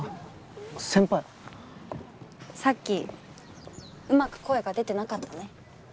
さっきうまく声が出てなかったね。